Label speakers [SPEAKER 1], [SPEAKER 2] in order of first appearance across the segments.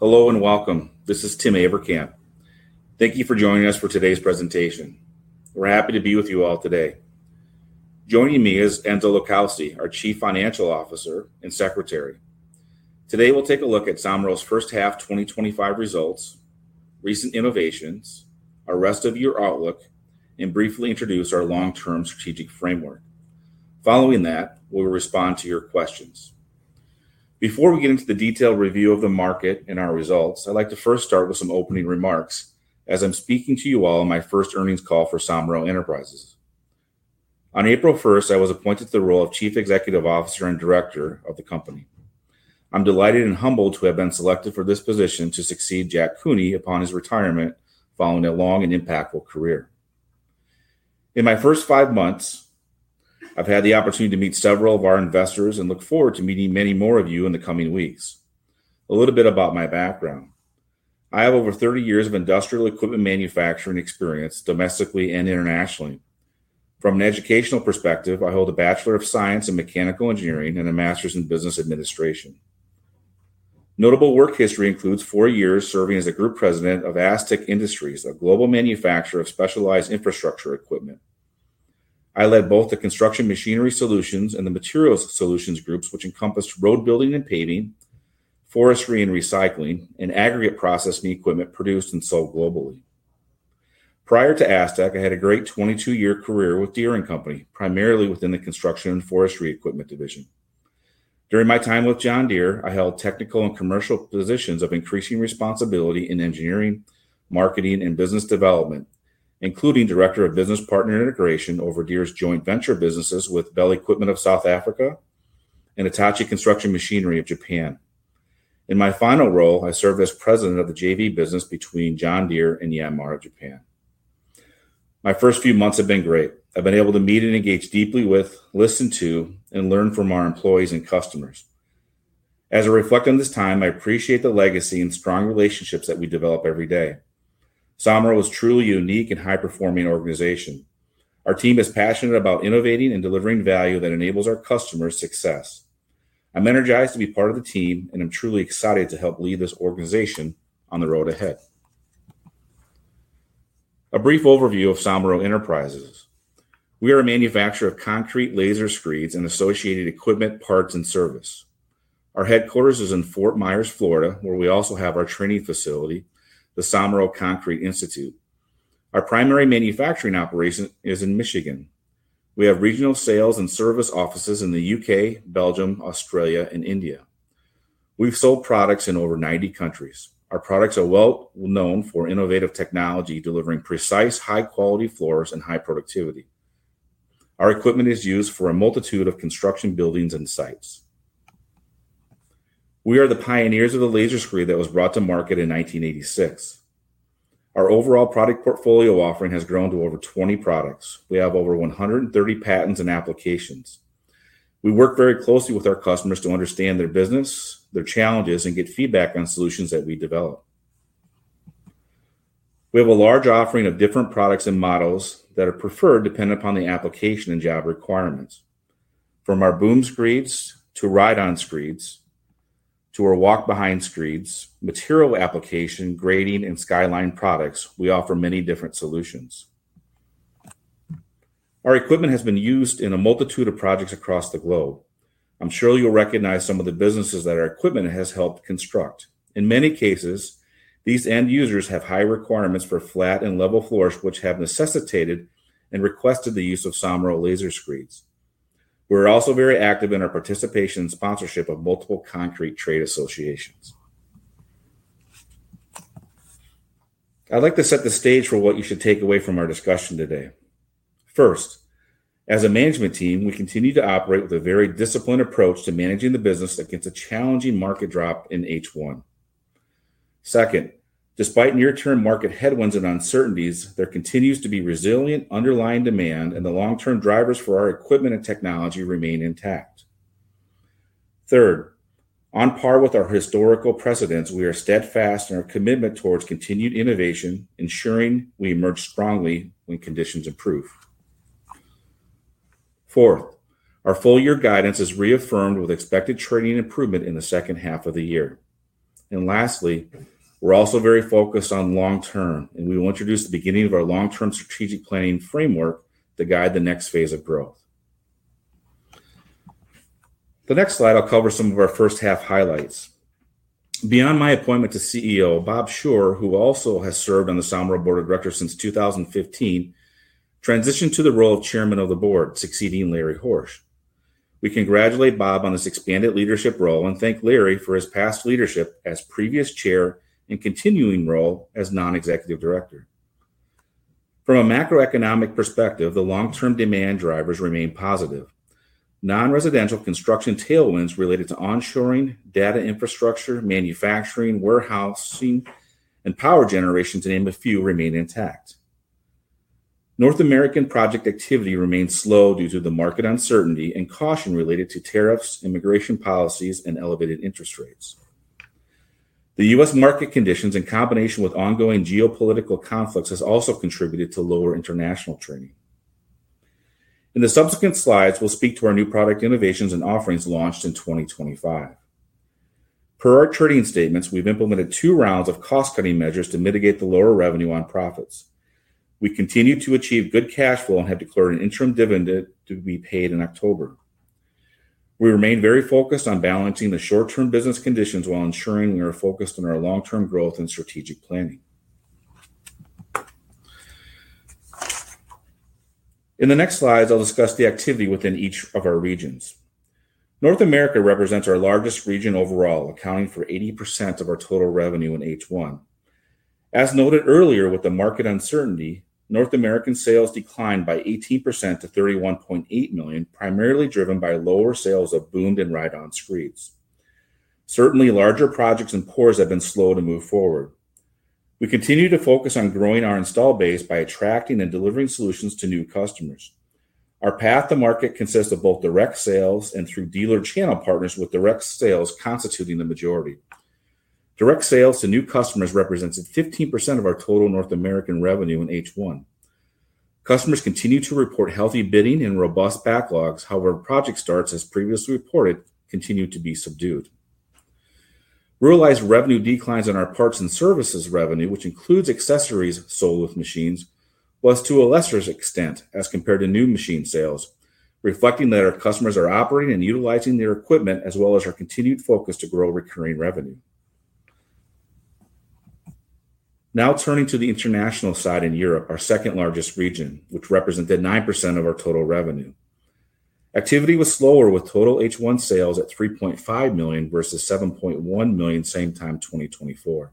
[SPEAKER 1] Hello and welcome. This is Tim Averkamp. Thank you for joining us for today's presentation. We're happy to be with you all today. Joining me is Vincenzo LiCausi, our Chief Financial Officer and Secretary. Today, we'll take a look at Somero's first half 2025 results, recent innovations, our rest of the year outlook, and briefly introduce our long-term strategic framework. Following that, we'll respond to your questions. Before we get into the detailed review of the market and our results, I'd like to first start with some opening remarks as I'm speaking to you all in my first earnings call for Somero Enterprises. On April 1, I was appointed to the role of Chief Executive Officer and Director of the company. I'm delighted and humbled to have been selected for this position to succeed John Cooney upon his retirement following a long and impactful career. In my first five months, I've had the opportunity to meet several of our investors and look forward to meeting many more of you in the coming weeks. A little bit about my background. I have over 30 years of industrial equipment manufacturing experience domestically and internationally. From an educational perspective, I hold a Bachelor of Science in Mechanical Engineering and a Master's in Business Administration. Notable work history includes four years serving as a Group President of Astec Industries, a global manufacturer of specialized infrastructure equipment. I led both the Construction Machinery Solutions and the Materials Solutions groups, which encompassed road building and paving, forestry and recycling, and aggregate processing equipment produced and sold globally. Prior to Astec, I had a great 22-year career with Deere and Company, primarily within the Construction and Forestry Equipment Division. During my time with John Deere, I held technical and commercial positions of increasing responsibility in engineering, marketing, and business development, including Director of Business Partner Integration over Deere's joint venture businesses with Bell Equipment of South Africa and Hitachi Construction Machinery of Japan. In my final role, I served as President of the JV Business between John Deere and Yanmar of Japan. My first few months have been great. I've been able to meet and engage deeply with, listen to, and learn from our employees and customers. As I reflect on this time, I appreciate the legacy and strong relationships that we develop every day. Somero is truly a unique and high-performing organization. Our team is passionate about innovating and delivering value that enables our customers' success. I'm energized to be part of the team, and I'm truly excited to help lead this organization on the road ahead. A brief overview of Somero Enterprises. We are a manufacturer of concrete Laser Screed equipment and associated equipment, parts, and service. Our headquarters is in Fort Myers, Florida, where we also have our training facility, the Somero Concrete Institute. Our primary manufacturing operation is in Michigan. We have regional sales and service offices in the UK, Belgium, Australia, and India. We've sold products in over 90 countries. Our products are well known for innovative technology, delivering precise, high-quality floors and high productivity. Our equipment is used for a multitude of construction buildings and sites. We are the pioneers of the Laser Screed that was brought to market in 1986. Our overall product portfolio offering has grown to over 20 products. We have over 130 patents and applications. We work very closely with our customers to understand their business, their challenges, and get feedback on solutions that we develop. We have a large offering of different products and models that are preferred depending upon the application and job requirements. From our boom screeds to ride-on screeds to our walk-behind screeds, material application, grading, and skyline products, we offer many different solutions. Our equipment has been used in a multitude of projects across the globe. I'm sure you'll recognize some of the businesses that our equipment has helped construct. In many cases, these end users have high requirements for flat and level floors, which have necessitated and requested the use of Somero Laser Screed equipment. We're also very active in our participation and sponsorship of multiple concrete trade associations. I'd like to set the stage for what you should take away from our discussion today. First, as a management team, we continue to operate with a very disciplined approach to managing the business against a challenging market drop in H1. Second, despite near-term market headwinds and uncertainties, there continues to be resilient underlying demand, and the long-term drivers for our equipment and technology remain intact. Third, on par with our historical precedents, we are steadfast in our commitment towards continued innovation, ensuring we emerge strongly when conditions improve. Fourth, our full-year guidance is reaffirmed with expected training improvement in the second half of the year. Lastly, we're also very focused on long term, and we will introduce the beginning of our long-term strategic planning framework to guide the next phase of growth. The next slide will cover some of our first half highlights. Beyond my appointment to CEO, Bob Scheuer, who also has served on the Somero Board of Directors since 2015, transitioned to the role of Chairman of the Board, succeeding Larry Horsch. We congratulate Bob on his expanded leadership role and thank Larry for his past leadership as previous Chair and continuing role as Non-Executive Director. From a macroeconomic perspective, the long-term demand drivers remain positive. Non-residential construction tailwinds related to onshoring, data infrastructure, manufacturing, warehousing, and power generation, to name a few, remain intact. North American project activity remains slow due to the market uncertainty and caution related to tariffs, immigration policies, and elevated interest rates. The U.S. market conditions, in combination with ongoing geopolitical conflicts, have also contributed to lower international training. In the subsequent slides, we'll speak to our new product innovations and offerings launched in 2025. Per our trading statements, we've implemented two rounds of cost-cutting measures to mitigate the lower revenue on profits. We continue to achieve good cash flow and have declared an interim dividend to be paid in October. We remain very focused on balancing the short-term business conditions while ensuring we are focused on our long-term growth and strategic planning. In the next slides, I'll discuss the activity within each of our regions. North America represents our largest region overall, accounting for 80% of our total revenue in H1. As noted earlier with the market uncertainty, North American sales declined by 18% to $31.8 million, primarily driven by lower sales of boomed and ride-on screeds. Certainly, larger projects and pours have been slow to move forward. We continue to focus on growing our install base by attracting and delivering solutions to new customers. Our path to market consists of both direct sales and through dealer channel partners, with direct sales constituting the majority. Direct sales to new customers represent 15% of our total North American revenue in H1. Customers continue to report healthy bidding and robust backlogs. However, project starts, as previously reported, continue to be subdued. Realized revenue declines in our parts and services revenue, which includes accessories sold with machines, was to a lesser extent as compared to new machine sales, reflecting that our customers are operating and utilizing their equipment as well as our continued focus to grow recurring revenue. Now turning to the international side, in Europe, our second largest region, which represented 9% of our total revenue. Activity was slower, with total H1 sales at $3.5 million versus $7.1 million same time 2024.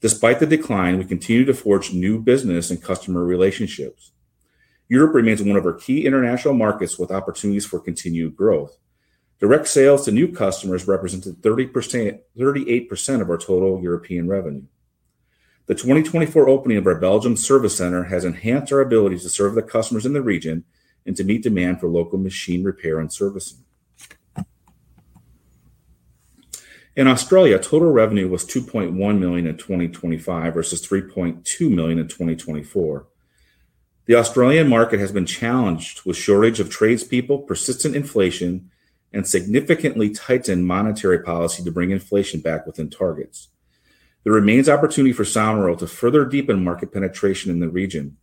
[SPEAKER 1] Despite the decline, we continue to forge new business and customer relationships. Europe remains one of our key international markets with opportunities for continued growth. Direct sales to new customers represented 38% of our total European revenue. The 2024 opening of our Belgium service center has enhanced our abilities to serve the customers in the region and to meet demand for local machine repair and services. In Australia, total revenue was $2.1 million in 2025 versus $3.2 million in 2024. The Australian market has been challenged with a shortage of tradespeople, persistent inflation, and significantly tightened monetary policy to bring inflation back within targets. There remains opportunity for Somero to further deepen market penetration in the region.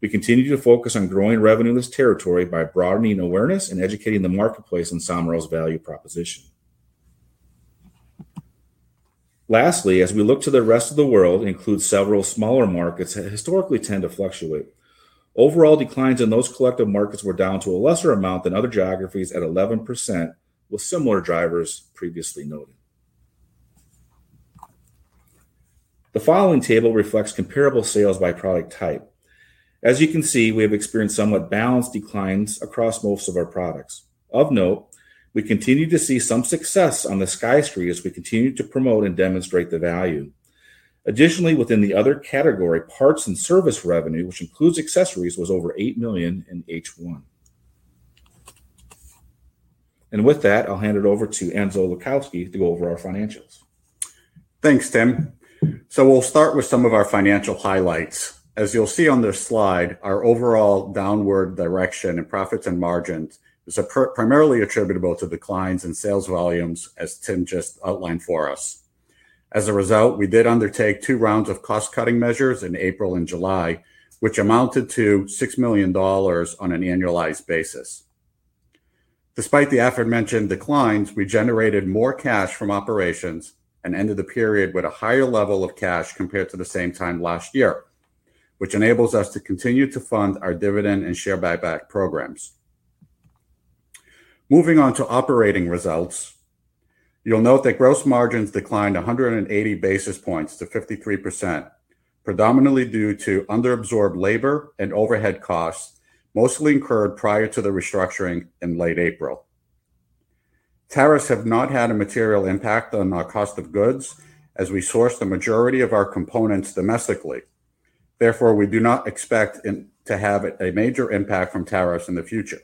[SPEAKER 1] We continue to focus on growing revenue in this territory by broadening awareness and educating the marketplace in Somero's value proposition. Lastly, as we look to the rest of the world, it includes several smaller markets that historically tend to fluctuate. Overall declines in those collective markets were down to a lesser amount than other geographies at 11%, with similar drivers previously noted. The following table reflects comparable sales by product type. As you can see, we have experienced somewhat balanced declines across most of our products. Of note, we continue to see some success on the skyscraper as we continue to promote and demonstrate the value. Additionally, within the other category, parts and service revenue, which includes accessories, was over $8 million in H1. With that, I'll hand it over to Vincenzo LiCausi to go over our financials.
[SPEAKER 2] Thanks, Tim. We'll start with some of our financial highlights. As you'll see on this slide, our overall downward direction in profits and margins is primarily attributable to declines in sales volumes, as Tim just outlined for us. As a result, we did undertake two rounds of cost-cutting measures in April and July, which amounted to $6 million on an annualized basis. Despite the aforementioned declines, we generated more cash from operations and ended the period with a higher level of cash compared to the same time last year, which enables us to continue to fund our dividend and share buyback programs. Moving on to operating results, you'll note that gross margins declined 180 basis points to 53%, predominantly due to underabsorbed labor and overhead costs, mostly incurred prior to the restructuring in late April. Tariffs have not had a material impact on our cost of goods as we source the majority of our components domestically. Therefore, we do not expect to have a major impact from tariffs in the future.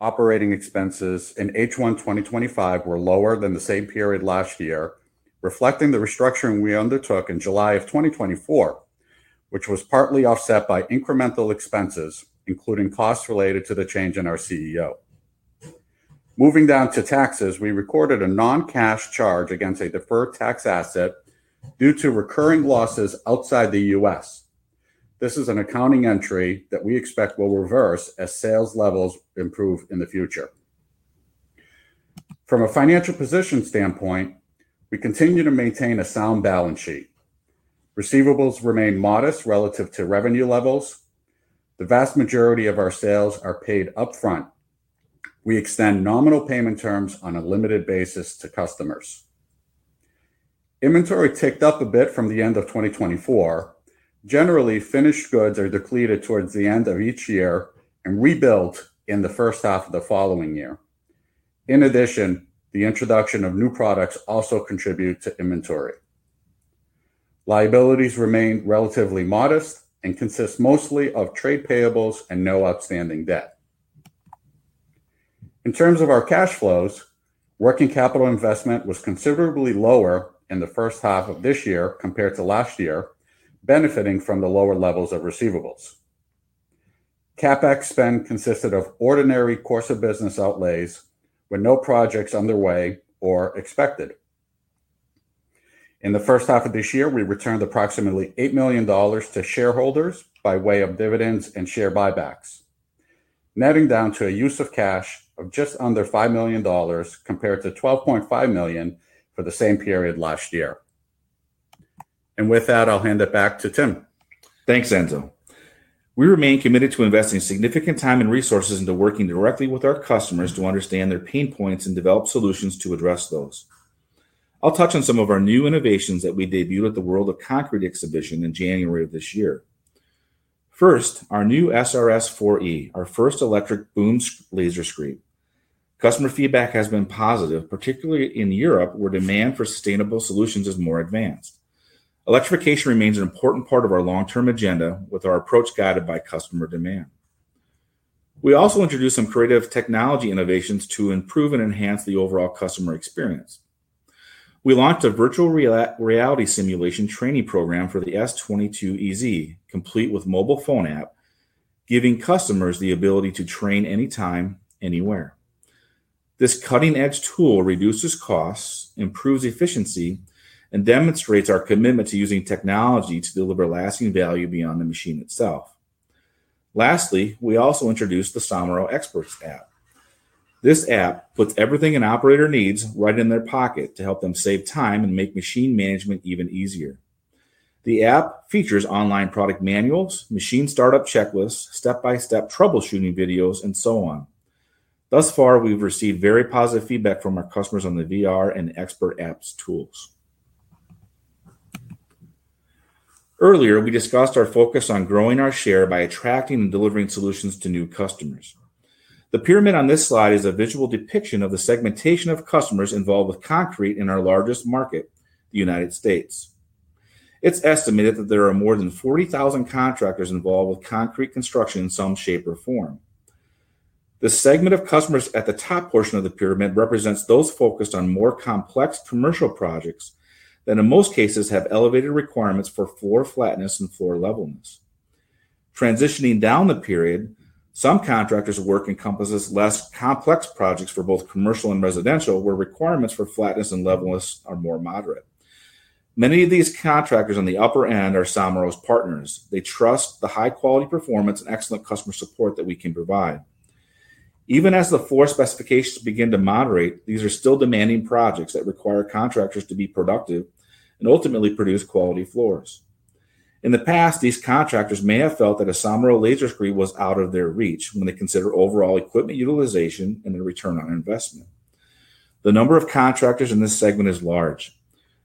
[SPEAKER 2] Operating expenses in H1 2025 were lower than the same period last year, reflecting the restructuring we undertook in July of 2024, which was partly offset by incremental expenses, including costs related to the change in our CEO. Moving down to taxes, we recorded a non-cash charge against a deferred tax asset due to recurring losses outside the U.S. This is an accounting entry that we expect will reverse as sales levels improve in the future. From a financial position standpoint, we continue to maintain a sound balance sheet. Receivables remain modest relative to revenue levels. The vast majority of our sales are paid upfront. We extend nominal payment terms on a limited basis to customers. Inventory ticked up a bit from the end of 2024. Generally, finished goods are depleted towards the end of each year and rebuilt in the first half of the following year. In addition, the introduction of new products also contributes to inventory. Liabilities remain relatively modest and consist mostly of trade payables and no outstanding debt. In terms of our cash flows, working capital investment was considerably lower in the first half of this year compared to last year, benefiting from the lower levels of receivables. CapEx spend consisted of ordinary course of business outlays with no projects underway or expected. In the first half of this year, we returned approximately $8 million to shareholders by way of dividends and share buybacks, netting down to a use of cash of just under $5 million compared to $12.5 million for the same period last year. With that, I'll hand it back to Tim.
[SPEAKER 1] Thanks, Ante. We remain committed to investing significant time and resources into working directly with our customers to understand their pain points and develop solutions to address those. I'll touch on some of our new innovations that we debuted at the World of Concrete exhibition in January of this year. First, our new SRS-4E, our first electric boom Laser Screed. Customer feedback has been positive, particularly in Europe, where demand for sustainable solutions is more advanced. Electrification remains an important part of our long-term agenda, with our approach guided by customer demand. We also introduced some creative technology innovations to improve and enhance the overall customer experience. We launched a virtual reality simulation training program for the S-22EZ, complete with a mobile phone app, giving customers the ability to train anytime, anywhere. This cutting-edge tool reduces costs, improves efficiency, and demonstrates our commitment to using technology to deliver lasting value beyond the machine itself. Lastly, we also introduced the Somero Experts app. This app puts everything an Operator needs right in their pocket to help them save time and make machine management even easier. The app features online product manuals, machine startup checklists, step-by-step troubleshooting videos, and so on. Thus far, we've received very positive feedback from our customers on the VR and expert apps tools. Earlier, we discussed our focus on growing our share by attracting and delivering solutions to new customers. The pyramid on this slide is a visual depiction of the segmentation of customers involved with concrete in our largest market, the United States. It's estimated that there are more than 40,000 contractors involved with concrete construction in some shape or form. The segment of customers at the top portion of the pyramid represents those focused on more complex commercial projects that in most cases have elevated requirements for floor flatness and floor levelness. Transitioning down the pyramid, some contractors' work encompasses less complex projects for both commercial and residential, where requirements for flatness and levelness are more moderate. Many of these contractors on the upper end are Somero's partners. They trust the high-quality performance and excellent customer support that we can provide. Even as the floor specifications begin to moderate, these are still demanding projects that require contractors to be productive and ultimately produce quality floors. In the past, these contractors may have felt that a Somero Laser Screed was out of their reach when they consider overall equipment utilization and the return on investment. The number of contractors in this segment is large.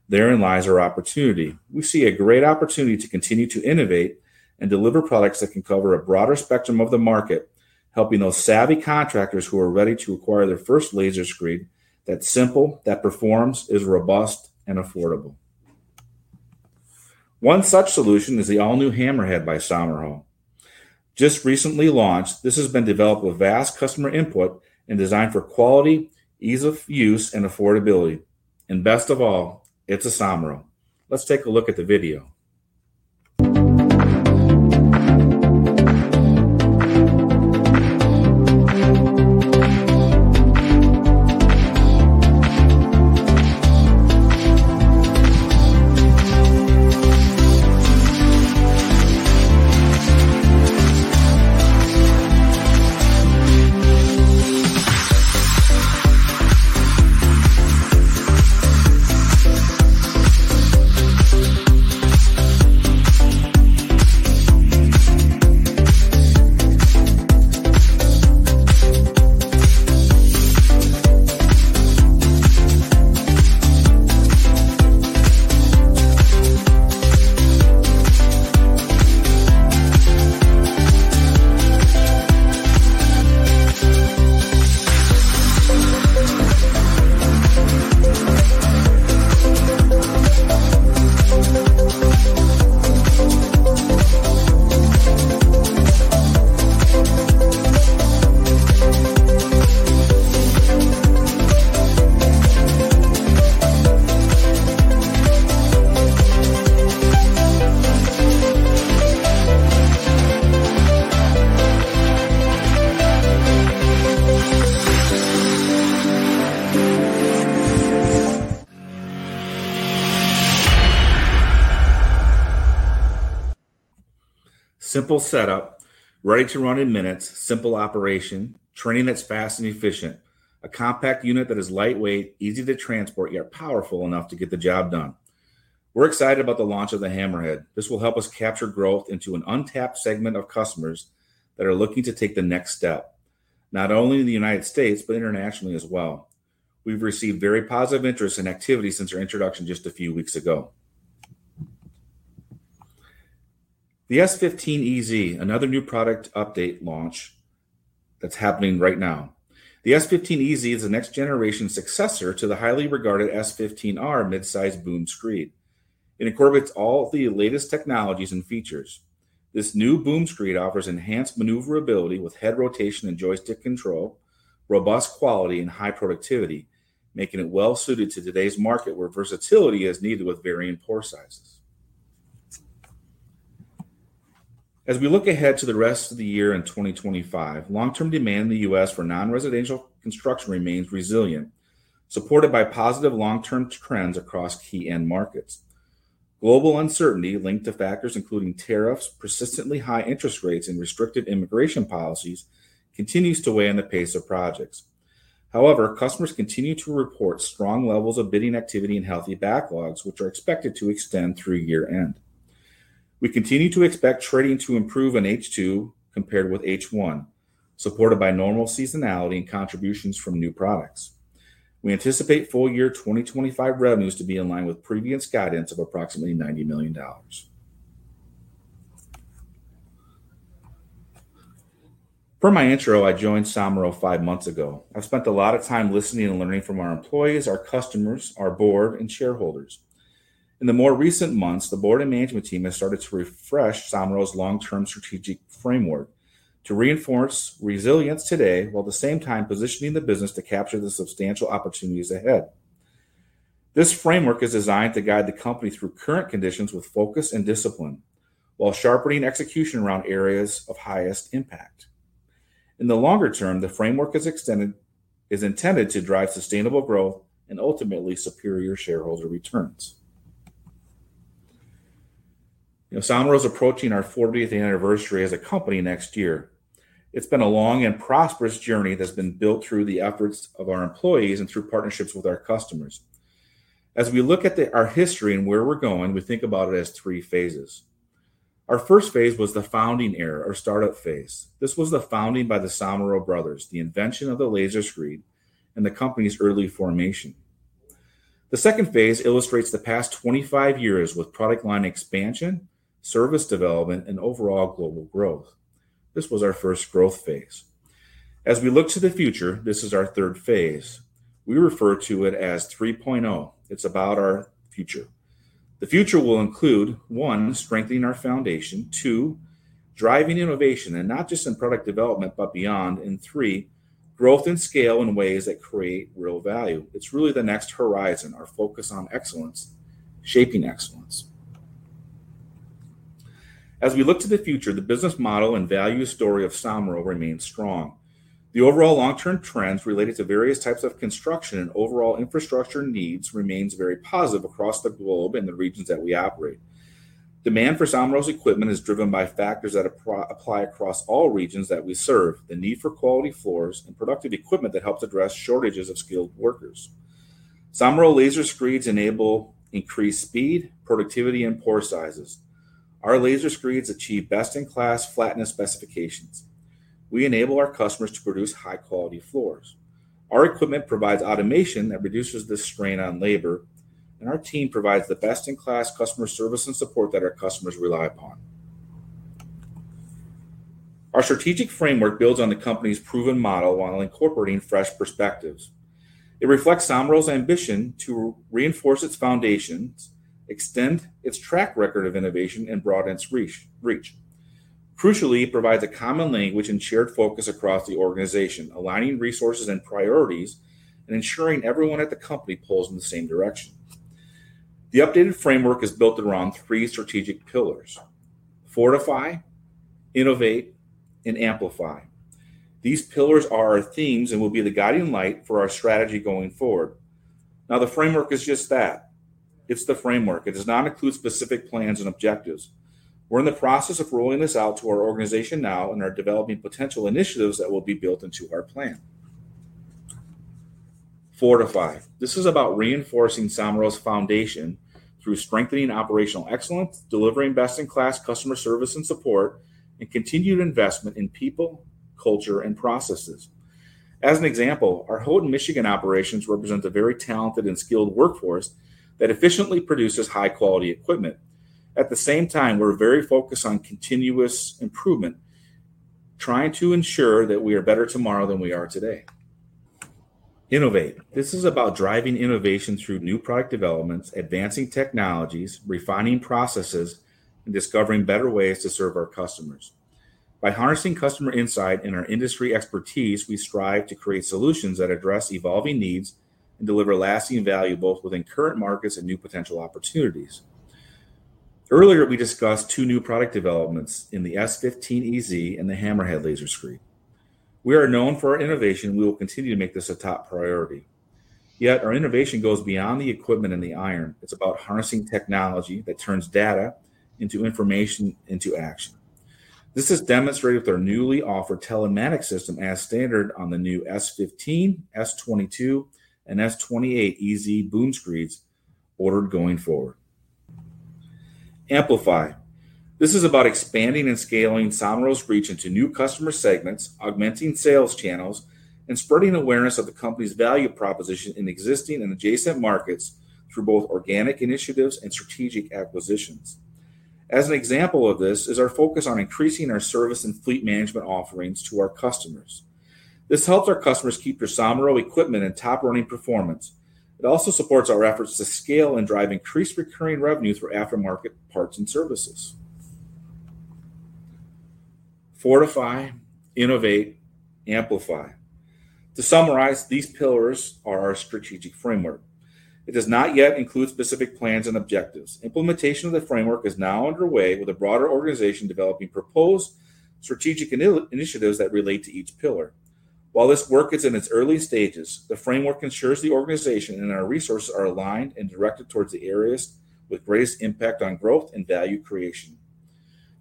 [SPEAKER 1] Therein lies our opportunity. We see a great opportunity to continue to innovate and deliver products that can cover a broader spectrum of the market, helping those savvy contractors who are ready to acquire their first Laser Screed that's simple, that performs, is robust, and affordable. One such solution is the all-new Hammerhead by Somero. Just recently launched, this has been developed with vast customer input and designed for quality, ease of use, and affordability. Best of all, it's a Somero. Let's take a look at the video. Simple setup, ready to run in minutes, simple operation, training that's fast and efficient, a compact unit that is lightweight, easy to transport, yet powerful enough to get the job done. We're excited about the launch of the Hammerhead. This will help us capture growth into an untapped segment of customers that are looking to take the next step, not only in the United States, but internationally as well. We've received very positive interest and activity since our introduction just a few weeks ago. The S15 EZ, another new product update launch that's happening right now. The S15 EZ is the next-generation successor to the highly regarded S15R midsize boom screed. It incorporates all of the latest technologies and features. This new boom screed offers enhanced maneuverability with head rotation and joystick control, robust quality, and high productivity, making it well suited to today's market where versatility is needed with varying floor sizes. As we look ahead to the rest of the year in 2025, long-term demand in the U.S. for non-residential construction remains resilient, supported by positive long-term trends across key end markets. Global uncertainty linked to factors including tariffs, persistently high interest rates, and restrictive immigration policies continues to weigh on the pace of projects. However, customers continue to report strong levels of bidding activity and healthy backlogs, which are expected to extend through year-end. We continue to expect trading to improve in H2 compared with H1, supported by normal seasonality and contributions from new products. We anticipate full-year 2025 revenues to be in line with previous guidance of approximately $90 million. For my intro, I joined Somero five months ago. I've spent a lot of time listening and learning from our employees, our customers, our board, and shareholders. In the more recent months, the board and management team have started to refresh Somero's long-term strategic framework to reinforce resilience today while at the same time positioning the business to capture the substantial opportunities ahead. This framework is designed to guide the company through current conditions with focus and discipline, while sharpening execution around areas of highest impact. In the longer term, the framework is intended to drive sustainable growth and ultimately superior shareholder returns. Somero is approaching our 40th anniversary as a company next year. It's been a long and prosperous journey that's been built through the efforts of our employees and through partnerships with our customers. As we look at our history and where we're going, we think about it as three phases. Our first phase was the founding era, our startup phase. This was the founding by the Somero brothers, the invention of the Laser Screed, and the company's early formation. The second phase illustrates the past 25 years with product line expansion, service development, and overall global growth. This was our first growth phase. As we look to the future, this is our third phase. We refer to it as 3.0. It's about our future. The future will include: one, strengthening our foundation; two, driving innovation, and not just in product development but beyond; and three, growth and scale in ways that create real value. It's really the next horizon, our focus on excellence, shaping excellence. As we look to the future, the business model and value story of Somero remains strong. The overall long-term trends related to various types of construction and overall infrastructure needs remain very positive across the globe and the regions that we operate. Demand for Somero's equipment is driven by factors that apply across all regions that we serve: the need for quality floors and productive equipment that helps address shortages of skilled workers. Somero Laser Screeds enable increased speed, productivity, and floor sizes. Our Laser Screeds achieve best-in-class flatness specifications. We enable our customers to produce high-quality floors. Our equipment provides automation that reduces the strain on labor, and our team provides the best-in-class customer service and support that our customers rely upon. Our strategic framework builds on the company's proven model while incorporating fresh perspectives. It reflects Somero's ambition to reinforce its foundations, extend its track record of innovation, and broaden its reach. Crucially, it provides a common language and shared focus across the organization, aligning resources and priorities and ensuring everyone at the company pulls in the same direction. The updated framework is built around three strategic pillars: fortify, innovate, and amplify. These pillars are our themes and will be the guiding light for our strategy going forward. Now, the framework is just that. It's the framework. It does not include specific plans and objectives. We're in the process of rolling this out to our organization now and are developing potential initiatives that will be built into our plan. Fortify. This is about reinforcing Somero's foundation through strengthening operational excellence, delivering best-in-class customer service and support, and continued investment in people, culture, and processes. As an example, our Houghton, Michigan operations represent a very talented and skilled workforce that efficiently produces high-quality equipment. At the same time, we're very focused on continuous improvement, trying to ensure that we are better tomorrow than we are today. Innovate. This is about driving innovation through new product developments, advancing technologies, refining processes, and discovering better ways to serve our customers. By harnessing customer insight and our industry expertise, we strive to create solutions that address evolving needs and deliver lasting value both within current markets and new potential opportunities. Earlier, we discussed two new product developments in the S15 EZ and the Hammerhead Laser Screed. We are known for our innovation, and we will continue to make this a top priority. Yet, our innovation goes beyond the equipment and the iron. It's about harnessing technology that turns data into information into action. This is demonstrated with our newly offered telematics system as standard on the new S15, S22, and S28 EZ boom screeds ordered going forward. Amplify. This is about expanding and scaling Somero's reach into new customer segments, augmenting sales channels, and spreading awareness of the company's value proposition in existing and adjacent markets through both organic initiatives and strategic acquisitions. An example of this is our focus on increasing our service and fleet management offerings to our customers. This helps our customers keep their Somero equipment in top running performance. It also supports our efforts to scale and drive increased recurring revenues for aftermarket parts and services. Fortify, innovate, amplify. To summarize, these pillars are our strategic framework. It does not yet include specific plans and objectives. Implementation of the framework is now underway with a broader organization developing proposed strategic initiatives that relate to each pillar. While this work is in its early stages, the framework ensures the organization and our resources are aligned and directed towards the areas with greatest impact on growth and value creation.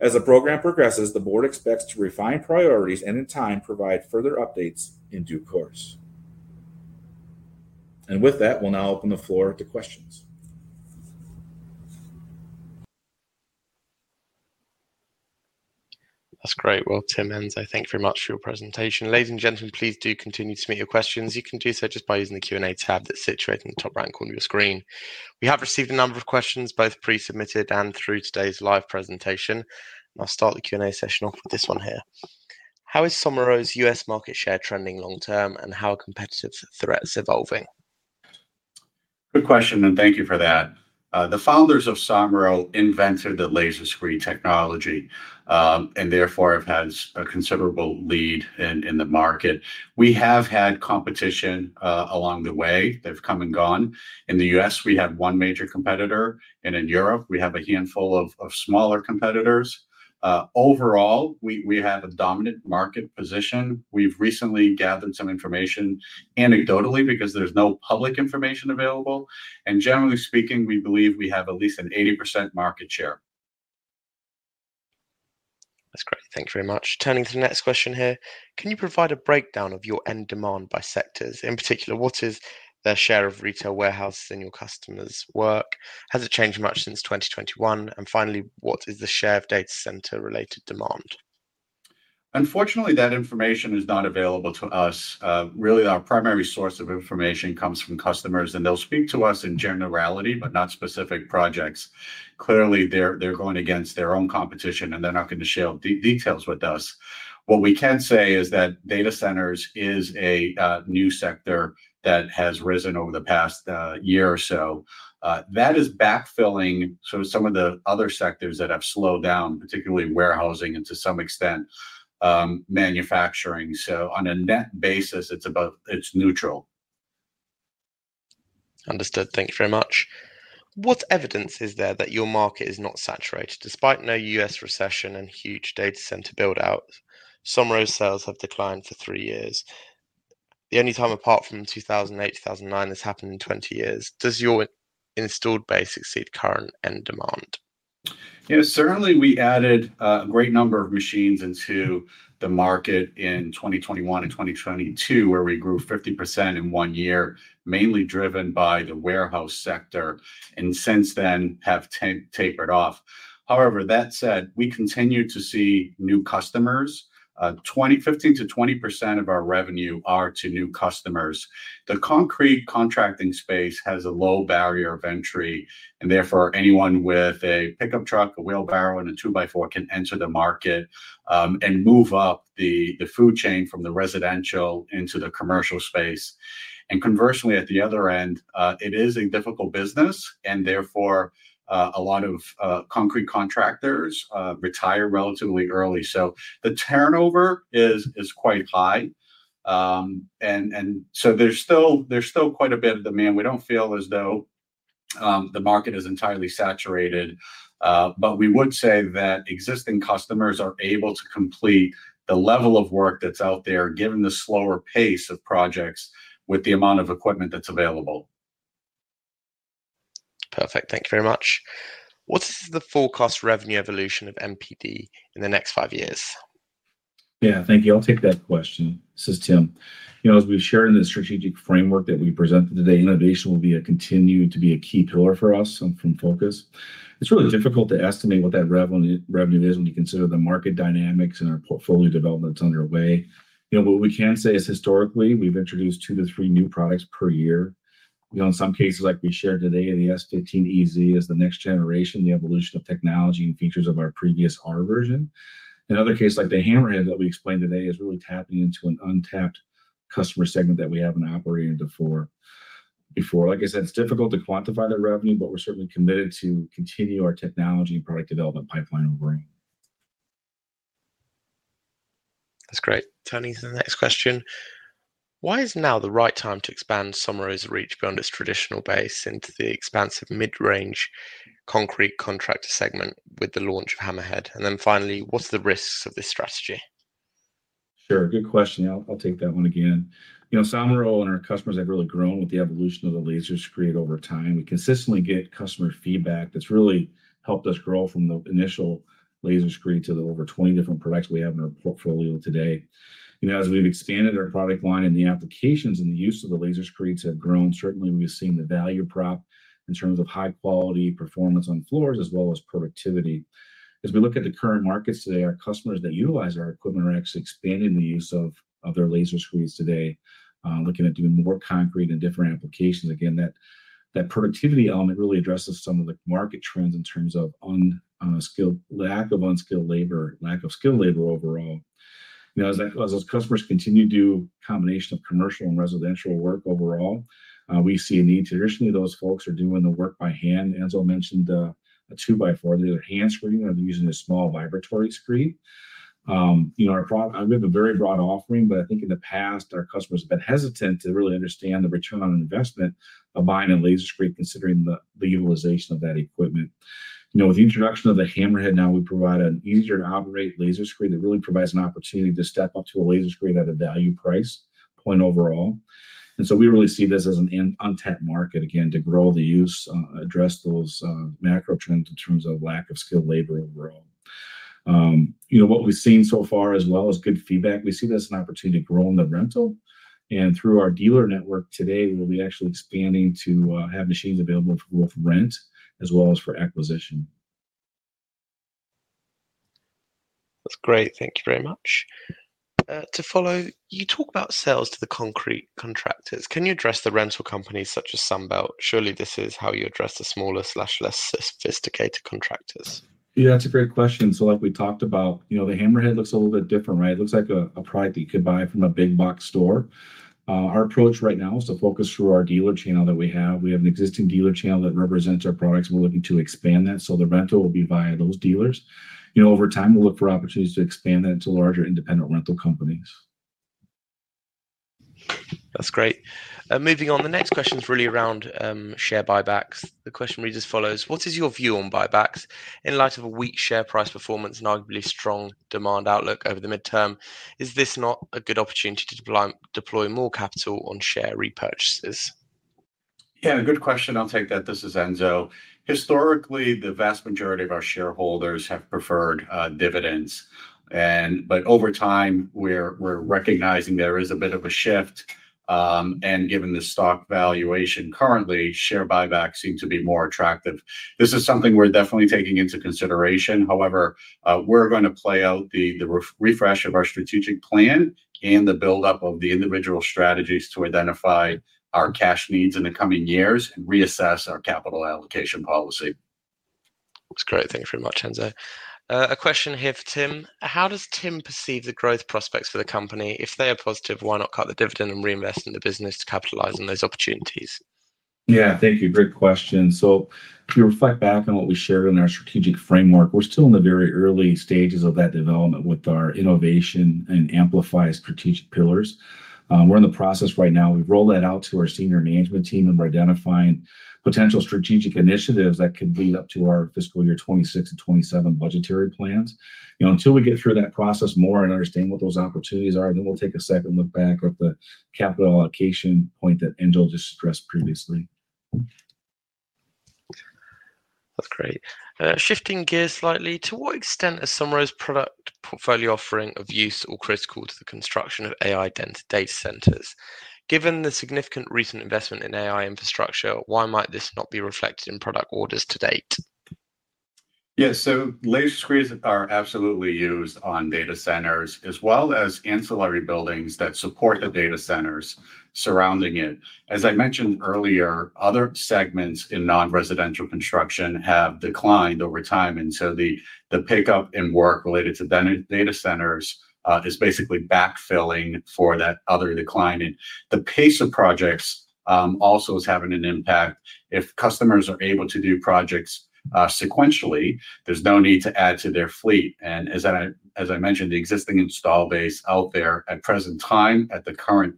[SPEAKER 1] As the program progresses, the board expects to refine priorities and, in time, provide further updates in due course. With that, we'll now open the floor to questions.
[SPEAKER 3] That's great. Tim and Ante, thank you very much for your presentation. Ladies and gentlemen, please do continue to submit your questions. You can do so just by using the Q&A tab that's situated in the top right corner of your screen. We have received a number of questions, both pre-submitted and through today's live presentation. I'll start the Q&A session off with this one here. How is Somero's U.S. market share trending long term and how are competitive threats evolving?
[SPEAKER 1] Good question, and thank you for that. The founders of Somero invented the Laser Screed technology and therefore have had a considerable lead in the market. We have had competition along the way. They've come and gone. In the U.S., we have one major competitor, and in Europe, we have a handful of smaller competitors. Overall, we have a dominant market position. We've recently gathered some information anecdotally because there's no public information available. Generally speaking, we believe we have at least an 80% market share.
[SPEAKER 3] That's great. Thanks very much. Turning to the next question here. Can you provide a breakdown of your end demand by sectors? In particular, what is the share of retail warehouses in your customers' work? Has it changed much since 2021? Finally, what is the share of data center-related demand?
[SPEAKER 1] Unfortunately, that information is not available to us. Really, our primary source of information comes from customers, and they'll speak to us in generality, but not specific projects. Clearly, they're going against their own competition, and they're not going to share details with us. What we can say is that data centers are a new sector that has risen over the past year or so. That is backfilling some of the other sectors that have slowed down, particularly warehousing and to some extent manufacturing. On a net basis, it's neutral.
[SPEAKER 3] Understood. Thanks very much. What evidence is there that your market is not saturated? Despite no U.S. recession and huge data center buildouts, Somero's sales have declined for three years. The only time apart from 2008-2009 this has happened in 20 years. Does your installed base exceed current end demand?
[SPEAKER 1] Yes, certainly we added a great number of machines into the market in 2021 and 2022, where we grew 50% in one year, mainly driven by the warehouse sector, and since then have tapered off. However, that said, we continue to see new customers. 15% to 20% of our revenue are to new customers. The concrete contracting space has a low barrier of entry, and therefore anyone with a pickup truck, a wheelbarrow, and a 2x4 can enter the market and move up the food chain from the residential into the commercial space. Conversely, at the other end, it is a difficult business, and therefore a lot of concrete contractors retire relatively early. The turnover is quite high, and there's still quite a bit of demand. We don't feel as though the market is entirely saturated, but we would say that existing customers are able to complete the level of work that's out there, given the slower pace of projects with the amount of equipment that's available.
[SPEAKER 3] Perfect. Thank you very much. What is the forecast revenue evolution of MPD in the next five years?
[SPEAKER 1] Yeah, thank you. I'll take that question. This is Tim. You know, as we've shared in the strategic framework that we presented today, innovation will continue to be a key pillar for us and a focus. It's really difficult to estimate what that revenue is when you consider the market dynamics and our portfolio development that's underway. What we can say is historically we've introduced two to three new products per year. In some cases, like we shared today, the S15 EZ is the next generation, the evolution of technology and features of our previous R version. In other cases, like the Hammerhead that we explained today, is really tapping into an untapped customer segment that we haven't operated before. Like I said, it's difficult to quantify that revenue, but we're certainly committed to continuing our technology and product development pipeline over.
[SPEAKER 3] That's great. Turning to the next question. Why is now the right time to expand Somero's reach beyond its traditional base into the expansive mid-range concrete contractor segment with the launch of Hammerhead? Finally, what are the risks of this strategy?
[SPEAKER 1] Sure, good question. I'll take that one again. You know, Somero and our customers have really grown with the evolution of the Laser Screed over time. We consistently get customer feedback that's really helped us grow from the initial Laser Screed to the over 20 different products we have in our portfolio today. You know, as we've expanded our product line and the applications and the use of the Laser Screeds have grown, certainly we've seen the value prop in terms of high-quality performance on floors as well as productivity. As we look at the current markets today, our customers that utilize our equipment are actually expanding the use of their Laser Screeds today, looking at doing more concrete in different applications. That productivity element really addresses some of the market trends in terms of lack of unskilled labor, lack of skilled labor overall. Now, as those customers continue to do a combination of commercial and residential work overall, we see a need. Traditionally, those folks are doing the work by hand. Anne mentioned a 2x4, the other hand screed, or using a small vibratory screed. You know, we have a very broad offering, but I think in the past, our customers have been hesitant to really understand the return on investment of buying a Laser Screed, considering the utilization of that equipment. You know, with the introduction of the Hammerhead, now we provide an easier-to-operate Laser Screed that really provides an opportunity to step up to a Laser Screed at a value price point overall. We really see this as an untapped market, again, to grow the use, address those macro trends in terms of lack of skilled labor overall. You know, what we've seen so far, as well as good feedback, we see this as an opportunity to grow in the rental. Through our dealer network today, we will be actually expanding to have machines available to both rent as well as for acquisition.
[SPEAKER 3] That's great. Thank you very much. To follow, you talk about sales to the concrete contractors. Can you address the rental companies such as Sunbelt? Surely this is how you address the smaller/less sophisticated contractors.
[SPEAKER 1] Yeah, that's a great question. Like we talked about, the Hammerhead looks a little bit different, right? It looks like a product you could buy from a big box store. Our approach right now is to focus through our dealer channel that we have. We have an existing dealer channel that represents our products. We're looking to expand that. The rental will be buying those dealers. Over time, we'll look for opportunities to expand that to larger independent rental companies.
[SPEAKER 3] That's great. Moving on, the next question is really around share buybacks. The question reads as follows. What is your view on buybacks in light of a weak share price performance and arguably strong demand outlook over the midterm? Is this not a good opportunity to deploy more capital on share repurchases?
[SPEAKER 2] Yeah, good question. I'll take that. This is Anne. Historically, the vast majority of our shareholders have preferred dividends. Over time, we're recognizing there is a bit of a shift. Given the stock valuation currently, share buybacks seem to be more attractive. This is something we're definitely taking into consideration. However, we're going to play out the refresh of our strategic plan and the buildup of the individual strategies to identify our cash needs in the coming years and reassess our capital allocation policy.
[SPEAKER 3] That's great. Thanks very much, Anne. A question here for Tim. How does Tim perceive the growth prospects for the company? If they are positive, why not cut the dividend and reinvest in the business to capitalize on those opportunities?
[SPEAKER 1] Thank you. Great question. If you reflect back on what we shared in our strategic framework, we're still in the very early stages of that development with our innovation and amplify strategic pillars. We're in the process right now. We roll that out to our senior management team and we're identifying potential strategic initiatives that could lead up to our fiscal year 2026 and 2027 budgetary plans. Until we get through that process more and understand what those opportunities are, then we'll take a second look back with the capital allocation point that Vincenzo just addressed previously.
[SPEAKER 3] That's great. Shifting gears slightly, to what extent is Somero's product portfolio offering of use or critical to the construction of AI-dense data centers? Given the significant recent investment in AI infrastructure, why might this not be reflected in product orders to date?
[SPEAKER 2] Yeah, so Laser Screed equipment is absolutely used on data centers as well as ancillary buildings that support the data centers surrounding it. As I mentioned earlier, other segments in non-residential construction have declined over time, and the pickup in work related to data centers is basically backfilling for that other decline. The pace of projects also is having an impact. If customers are able to do projects sequentially, there's no need to add to their fleet. As I mentioned, the existing install base out there at present time at the current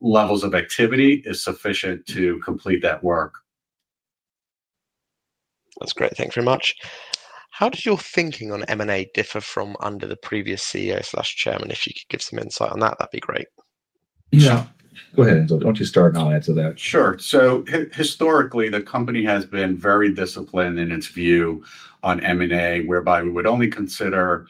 [SPEAKER 2] levels of activity is sufficient to complete that work.
[SPEAKER 3] That's great. Thanks very much. How does your thinking on M&A differ from under the previous CEO/Chairman? If you could give some insight on that, that'd be great.
[SPEAKER 1] Yeah, go ahead, Anne. I'll just start and I'll answer that.
[SPEAKER 2] Sure. Historically, the company has been very disciplined in its view on M&A, whereby we would only consider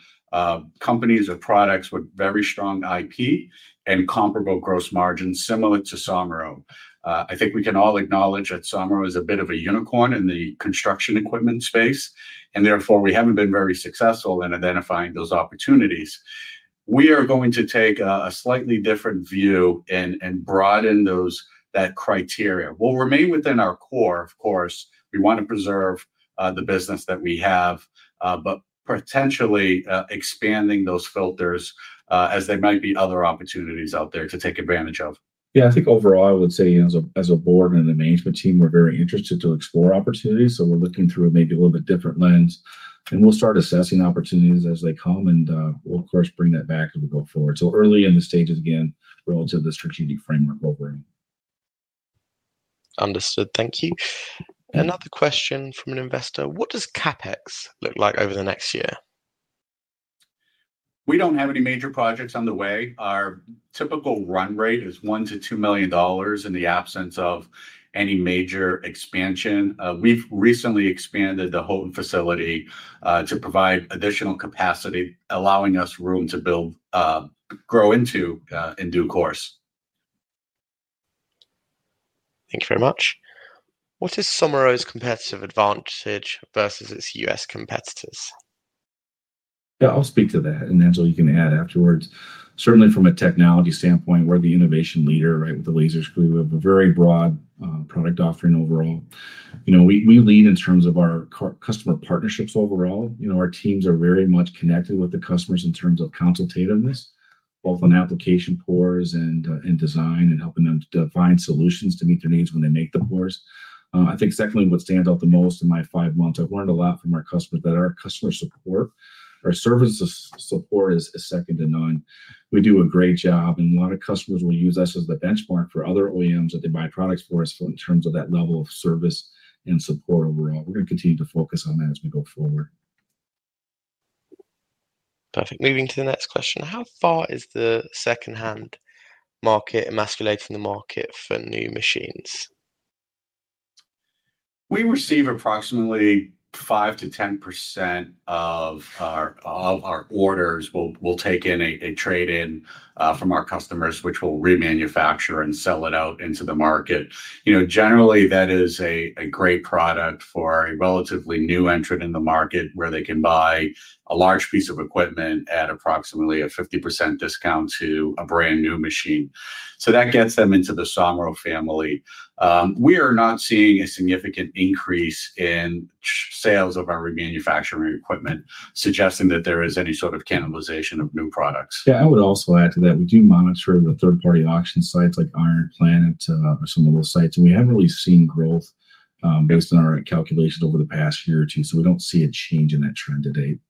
[SPEAKER 2] companies or products with very strong IP and comparable gross margins similar to Somero. I think we can all acknowledge that Somero is a bit of a unicorn in the construction equipment space, and therefore we haven't been very successful in identifying those opportunities. We are going to take a slightly different view and broaden that criteria. We'll remain within our core, of course. We want to preserve the business that we have, but potentially expanding those filters as there might be other opportunities out there to take advantage of.
[SPEAKER 1] Yeah, I think overall I would say as a board and the management team, we're very interested to explore opportunities. We're looking through maybe a little bit different lens, and we'll start assessing opportunities as they come, and we'll, of course, bring that back as we go forward. Early in the stages again, relative to the strategic framework over.
[SPEAKER 3] Understood. Thank you. Another question from an investor. What does CapEx look like over the next year?
[SPEAKER 1] We don't have any major projects underway. Our typical run rate is $1 million to $2 million in the absence of any major expansion. We've recently expanded the Houghton facility to provide additional capacity, allowing us room to grow into in due course.
[SPEAKER 3] Thanks very much. What is Somero's competitive advantage versus its U.S. competitors?
[SPEAKER 1] I'll speak to that, and Anne, you can add afterwards. Certainly, from a technology standpoint, we're the innovation leader, right, with the Laser Screed. We have a very broad product offering overall. You know, we lead in terms of our customer partnerships overall. You know, our teams are very much connected with the customers in terms of consultativeness, both on application floors and design, and helping them to find solutions to meet their needs when they make the floors. I think secondly, what stands out the most in my five months, I've learned a lot from our customers, but our customer support, our service support is second to none. We do a great job, and a lot of customers will use us as the benchmark for other OEMs that they buy products for us in terms of that level of service and support overall. We're going to continue to focus on that as we go forward.
[SPEAKER 3] Perfect. Moving to the next question. How far is the second-hand market emasculated from the market for new machines?
[SPEAKER 1] We receive approximately 5% to 10% of our orders. We'll take in a trade-in from our customers, which we'll remanufacture and sell out into the market. Generally, that is a great product for a relatively new entrant in the market where they can buy a large piece of equipment at approximately a 50% discount to a brand new machine. That gets them into the Somero family. We are not seeing a significant increase in sales of our remanufactured equipment, suggesting that there is any sort of cannibalization of new products. I would also add to that we do monitor the third-party auction sites like Iron Planet or some of those sites, and we haven't really seen growth based on our calculations over the past year or two. We don't see a change in that trend to date.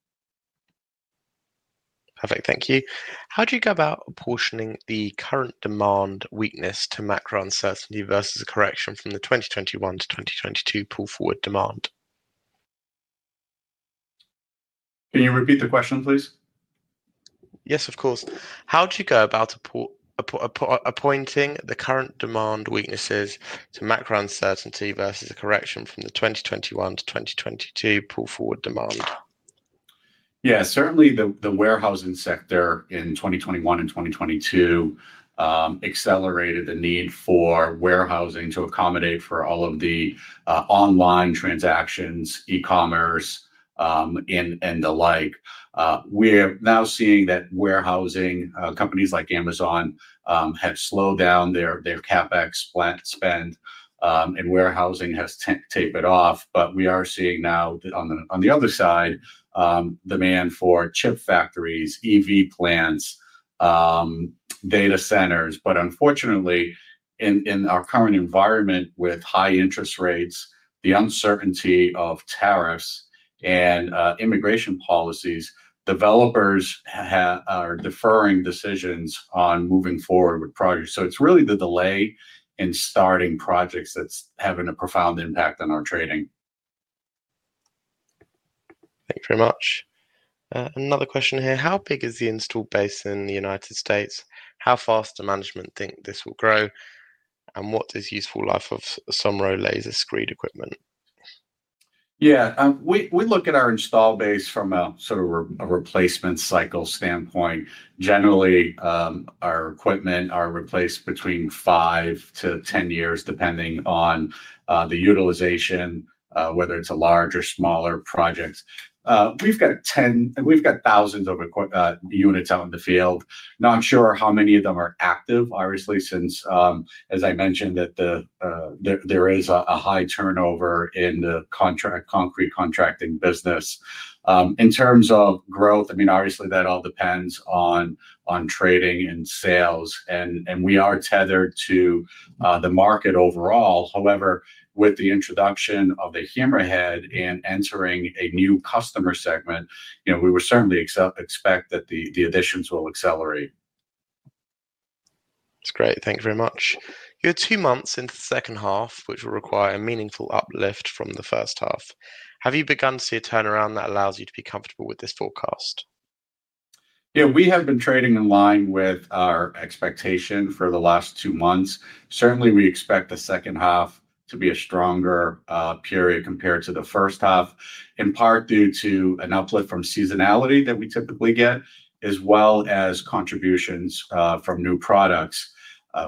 [SPEAKER 3] Perfect. Thank you. How do you go about apportioning the current demand weakness to macro uncertainty versus a correction from the 2021 to 2022 pull-forward demand?
[SPEAKER 1] Can you repeat the question, please?
[SPEAKER 3] Yes, of course. How do you go about attributing the current demand weaknesses to macro uncertainty versus a correction from the 2021 to 2022 pull-forward demand?
[SPEAKER 2] Yeah, certainly the warehousing sector in 2021 and 2022 accelerated the need for warehousing to accommodate for all of the online transactions, e-commerce, and the like. We are now seeing that warehousing companies like Amazon have slowed down their CapEx spend, and warehousing has tapered off. We are seeing now on the other side demand for chip factories, EV plants, data centers. Unfortunately, in our current environment with high interest rates, the uncertainty of tariffs and immigration policies, developers are deferring decisions on moving forward with projects. It's really the delay in starting projects that's having a profound impact on our trading.
[SPEAKER 3] Thanks very much. Another question here. How big is the install base in the U.S.? How fast does management think this will grow? What is the useful life of Somero Laser Screed equipment?
[SPEAKER 2] Yeah, we look at our install base from a sort of a replacement cycle standpoint. Generally, our equipment is replaced between five to ten years, depending on the utilization, whether it's a large or smaller project. We've got thousands of units out in the field. Now, I'm not sure how many of them are active, obviously, since, as I mentioned, that there is a high turnover in the concrete contracting business. In terms of growth, I mean, obviously, that all depends on trading and sales, and we are tethered to the market overall. However, with the introduction of the Hammerhead and entering a new customer segment, you know, we would certainly expect that the additions will accelerate.
[SPEAKER 3] That's great. Thanks very much. You're two months into the second half, which will require a meaningful uplift from the first half. Have you begun to see a turnaround that allows you to be comfortable with this forecast?
[SPEAKER 2] Yeah, we have been trading in line with our expectation for the last two months. Certainly, we expect the second half to be a stronger period compared to the first half, in part due to an uplift from seasonality that we typically get, as well as contributions from new products.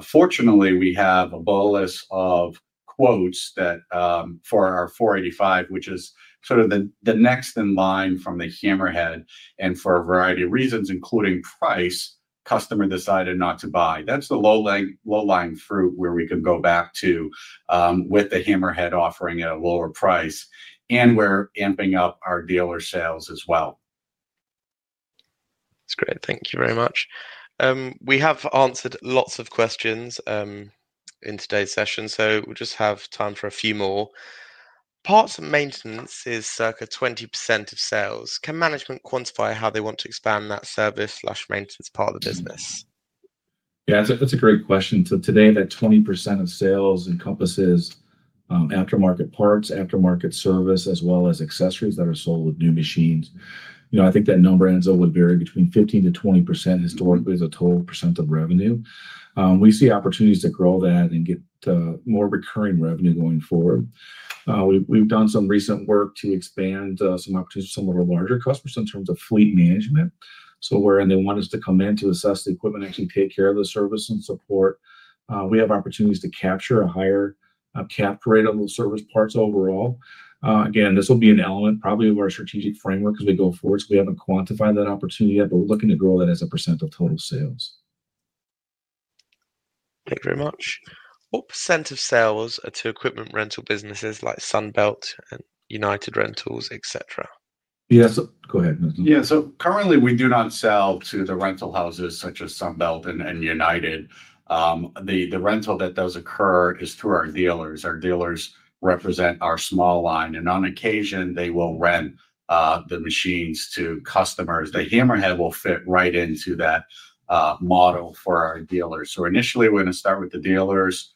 [SPEAKER 2] Fortunately, we have a bolus of quotes for our 485, which is sort of the next in line from the Hammerhead, and for a variety of reasons, including price, customers decided not to buy. That's the low-lying fruit where we could go back to with the Hammerhead offering at a lower price, and we're amping up our dealer sales as well.
[SPEAKER 3] That's great. Thank you very much. We have answered lots of questions in today's session, so we'll just have time for a few more. Parts and services is circa 20% of sales. Can management quantify how they want to expand that service/maintenance part of the business?
[SPEAKER 1] Yeah, that's a great question. Today, that 20% of sales encompasses aftermarket parts, aftermarket service, as well as accessories that are sold with new machines. I think that number, Ante, would vary between 15% to 20% as a total % of revenue. We see opportunities to grow that and get more recurring revenue going forward. We've done some recent work to expand some opportunities for some of the larger customers in terms of fleet management, where they want us to come in to assess the equipment, actually take care of the service and support. We have opportunities to capture a higher cap rate of those service parts overall. This will be an element probably of our strategic framework as we go forward. We haven't quantified that opportunity yet, but we're looking to grow that as a % of total sales.
[SPEAKER 3] Thanks very much. What % of sales are to equipment rental businesses like Sunbelt and United Rentals, etc.?
[SPEAKER 1] Yeah, go ahead.
[SPEAKER 2] Yeah, so currently we do not sell to the rental houses such as Sunbelt and United. The rental that does occur is through our dealers. Our dealers represent our small line, and on occasion they will rent the machines to customers. The Hammerhead will fit right into that model for our dealers. Initially, we're going to start with the dealers,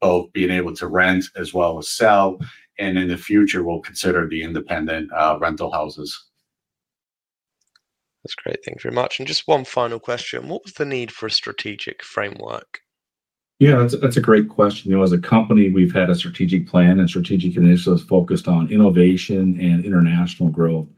[SPEAKER 2] both being able to rent as well as sell, and in the future we'll consider the independent rental houses.
[SPEAKER 3] That's great. Thanks very much. Just one final question. What was the need for a strategic framework?
[SPEAKER 1] Yeah, that's a great question. You know, as a company, we've had a strategic plan and strategic initiatives focused on innovation and international growth.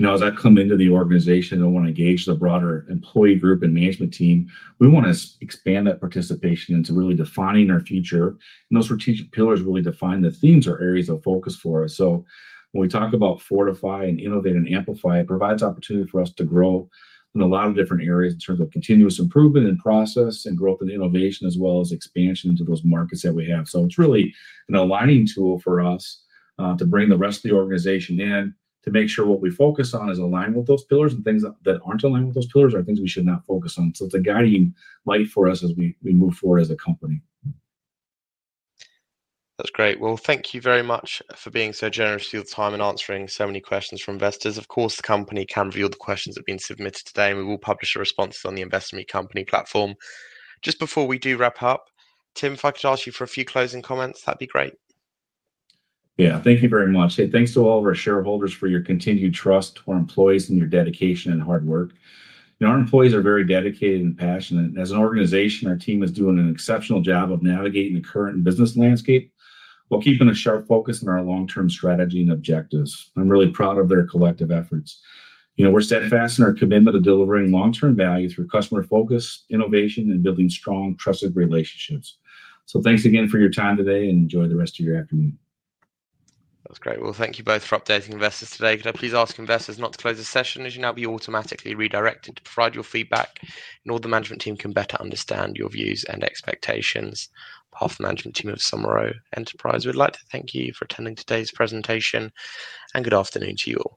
[SPEAKER 1] Now, as I come into the organization and want to engage the broader employee group and management team, we want to expand that participation into really defining our future. Those strategic pillars really define the themes or areas of focus for us. When we talk about fortify and innovate and amplify, it provides opportunity for us to grow in a lot of different areas in terms of continuous improvement and process and growth and innovation, as well as expansion into those markets that we have. It's really an aligning tool for us to bring the rest of the organization in to make sure what we focus on is aligned with those pillars, and things that aren't aligned with those pillars are things we should not focus on. It's a guiding light for us as we move forward as a company.
[SPEAKER 3] That's great. Thank you very much for being so generous with your time and answering so many questions from investors. Of course, the company can view the questions that have been submitted today, and we will publish the responses on the investment company platform. Just before we do wrap up, Tim, if I could ask you for a few closing comments, that'd be great.
[SPEAKER 1] Thank you very much. Thanks to all of our shareholders for your continued trust, our employees, and your dedication and hard work. Our employees are very dedicated and passionate. As an organization, our team is doing an exceptional job of navigating the current business landscape while keeping a sharp focus on our long-term strategy and objectives. I'm really proud of their collective efforts. We're steadfast in our commitment to delivering long-term value through customer focus, innovation, and building strong, trusted relationships. Thanks again for your time today, and enjoy the rest of your afternoon.
[SPEAKER 3] That's great. Thank you both for updating investors today. Could I please ask investors not to close the session as you will now be automatically redirected to provide your feedback, and all the management team can better understand your views and expectations. The management team of Somero Enterprises would like to thank you for attending today's presentation, and good afternoon to you all.